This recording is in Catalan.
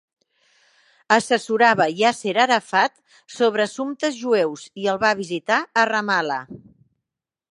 Assessorava Yasser Arafat sobre assumptes jueus i el va visitar a Ramallah.